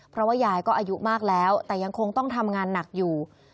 เพราะว่ายายก็อายุมากแล้วแต่ยังคงต้องทำงานหนักอยู่